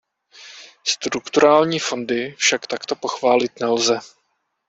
Strukturální fondy však takto pochválit nelze.